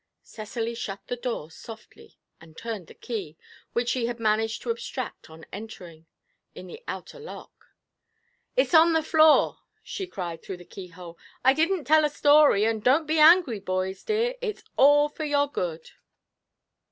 Cecily shut the door softly, and turned the key (which she had managed to abstract on entering) in the outer lock. 'It's on the floor,' she cried through the keyhole; 'I didn't tell a story and don't be angry, boys, dear, it's all for your good!'